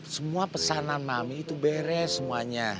semua pesanan mami itu beres semuanya